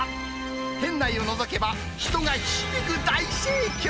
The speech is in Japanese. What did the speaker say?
店内をのぞけば人がひしめく大盛況。